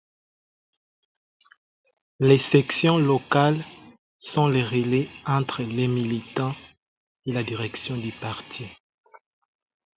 Les sections locales sont le relais entre les militants et la direction du parti.